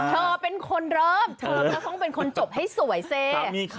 เธอเป็นคนเริ่มเธอก็ต้องเป็นคนจบให้สวยสิ